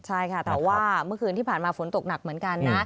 ใช่ค่ะแต่ว่าเมื่อคืนที่ผ่านมาฝนตกหนักเหมือนกันนะ